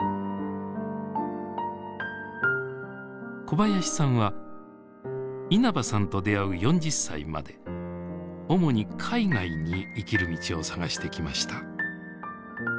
小林さんは稲葉さんと出会う４０歳まで主に海外に生きる道を探してきました。